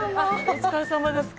お疲れさまです。